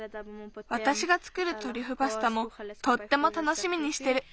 わたしがつくるトリュフパスタもとってもたのしみにしてる。